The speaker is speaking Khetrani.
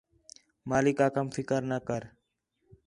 ماک آکھام فکر نہ کر